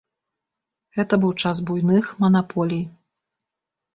Гэта быў час буйных манаполій.